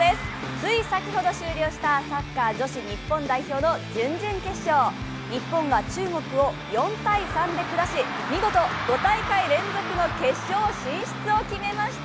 つい先ほど終了したサッカー女子日本代表が準々決勝、日本が中国を４−３で下し、見事、５大会連続の決勝進出を決めました。